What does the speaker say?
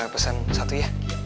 pesen satu ya